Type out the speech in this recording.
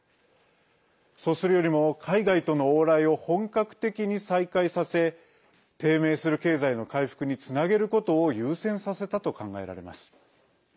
そうするよりも海外との往来を本格的に再開させ低迷する経済の回復につなげることを優先させたと考えられます。